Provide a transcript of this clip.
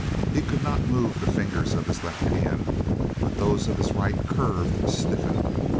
He could not move the fingers of his left hand, but those of his right curved, stiffened.